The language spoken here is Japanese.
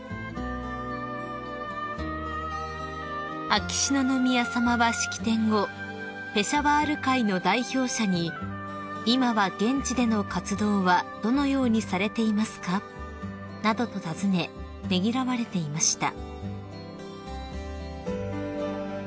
［秋篠宮さまは式典後ペシャワール会の代表者に「今は現地での活動はどのようにされていますか？」などと尋ねねぎらわれていました］